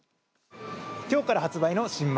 きょうから発売の新米。